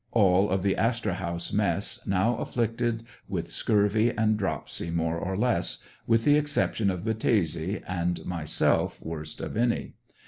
All of the ''Astor House Mess" now afflicted with scurvy and dropsy more or less, with the exception of Battese, and myself worst of any.